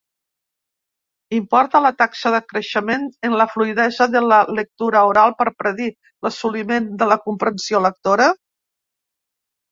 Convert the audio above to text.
Importa la taxa de creixement en la fluïdesa de la lectura oral per predir l'assoliment de la comprensió lectora?